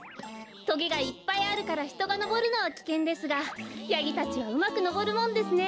とげがいっぱいあるからひとがのぼるのはきけんですがヤギたちはうまくのぼるもんですね。